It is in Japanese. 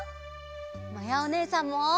まやおねえさんも！